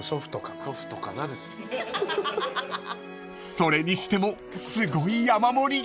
［それにしてもすごい山盛り］